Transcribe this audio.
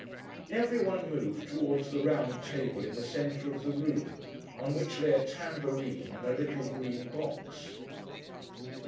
Everyone moved towards the round table in the centre of the room, on which lay a tambourine and a little green box.